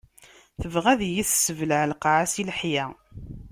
Tebɣa ad iyi-tessebleɛ lqaɛa si leḥya.